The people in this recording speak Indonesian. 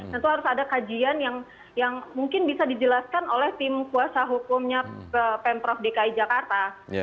tentu harus ada kajian yang mungkin bisa dijelaskan oleh tim kuasa hukumnya pemprov dki jakarta